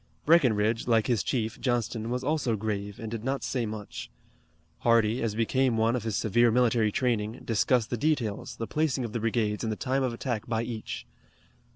Breckinridge, like his chief, Johnston, was also grave and did not say much. Hardee, as became one of his severe military training, discussed the details, the placing of the brigades and the time of attack by each.